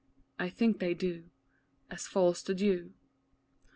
I think they do As falls the dew.